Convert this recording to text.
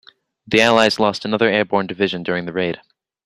The allies lost another airborne division during the raid.